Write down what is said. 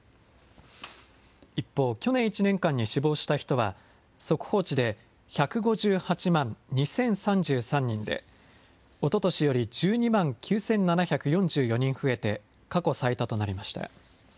一方、去年１年間に死亡した人は速報値で１５８万２０３３人で、おととしより１２万９７４４人増えて、過去最多となりました。